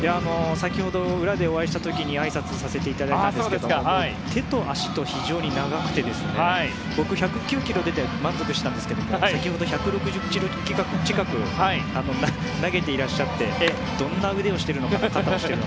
先ほど裏でお会いした時にあいさつをさせていただいたんですが手と足と、非常に長くて僕、１０９キロ出て満足していたんですが先ほど１６０キロ近く投げていらっしゃってどんな肩をしているのかと。